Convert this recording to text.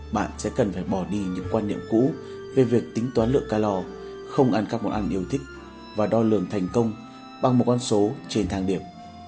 bạn sẽ cần phải bỏ đi những quan niệm cũ về việc tính toán lượng calor không ăn các món ăn yêu thích và đo lường thành công bằng một con số trên thang điểm